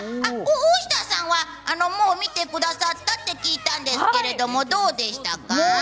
大下さんはもう見てくださったって聞いたんですけどもどうでしたか？